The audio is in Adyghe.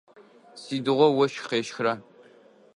Сыдигъо ощх къещхра?